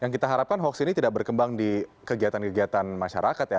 yang kita harapkan hoax ini tidak berkembang di kegiatan kegiatan masyarakat ya